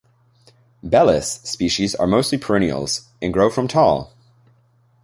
"Bellis" species are mostly perennials, and grow from tall.